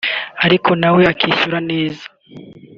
ariko nawe akishyura neza